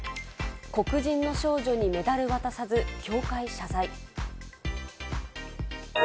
黒人の少女にメダル渡さず、協会謝罪。